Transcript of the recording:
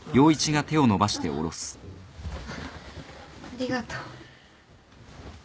ありがとう。